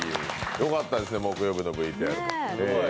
良かったですね、木曜日のＶＴＲ。